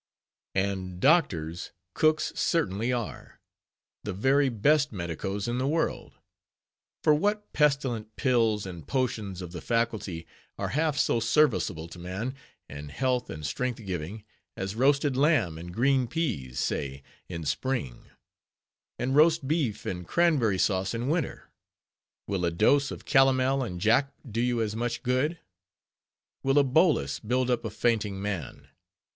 _ And doctors, cooks certainly are, the very best medicos in the world; for what pestilent pills and potions of the Faculty are half so serviceable to man, and health and strength giving, as roasted lamb and green peas, say, in spring; and roast beef and cranberry sauce in winter? Will a dose of calomel and jalap do you as much good? Will a bolus build up a fainting man?